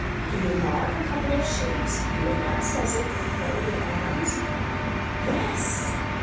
Do you mark a couple of shapes viewing us as if with folded arms ?" "Yes!"